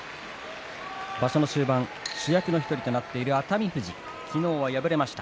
場所の終盤、主役の１人となっている熱海富士、昨日は敗れました。